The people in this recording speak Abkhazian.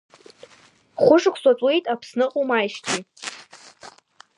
Хәышықәса ҵуеит Аԥсныҟа умааижьҭеи.